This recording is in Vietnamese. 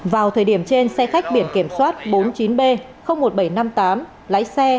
vào thời điểm trên xe khách biển kiểm soát bốn mươi chín b một nghìn bảy trăm năm mươi tám lái xe